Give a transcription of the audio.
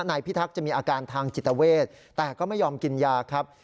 พิทักษ์จะมีอาการทางจิตเวทแต่ก็ไม่ยอมกินยาครับ